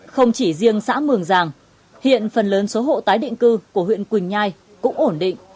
không chỉ riêng xã mường giàng hiện phần lớn số hộ tái định cư của huyện quỳnh nhai cũng ổn định